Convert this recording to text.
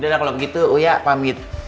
yaudah kalau begitu uya pamit